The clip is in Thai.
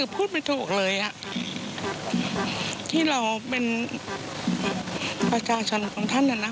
พูดไม่ถูกเลยค่ะที่เราเป็นพระชาชนของคุณท่านนะ